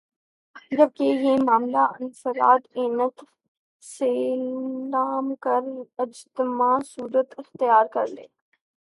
جبکہ یہ معاملہ انفراد عیت سے ل کر اجتماع صورت اختیار کر لے